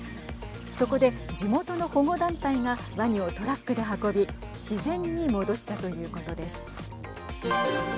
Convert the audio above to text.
そこで地元の保護団体がワニをトラックで運び自然に戻したということです。